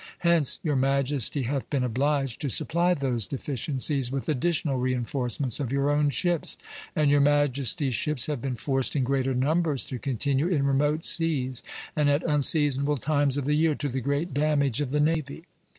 Hence your Majesty hath been obliged to supply those deficiencies with additional reinforcements of your own ships, and your Majesty's ships have been forced in greater numbers to continue in remote seas, and at unseasonable times of the year, to the great damage of the navy.